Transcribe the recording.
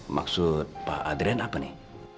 maksud pak adrian apa nih